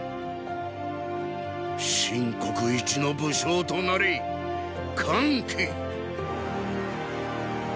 秦国一の武将となれ桓騎！